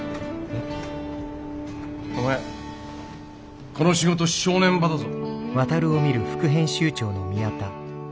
お前この仕事正念場だぞ。